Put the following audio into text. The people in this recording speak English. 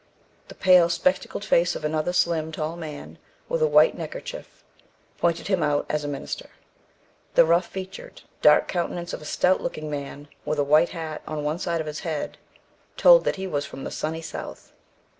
The pale, spectacled face of another slim, tall man, with a white neckerchief, pointed him out as a minister. The rough featured, dark countenance of a stout looking man, with a white hat on one side of his head, told that he was from the sunny South.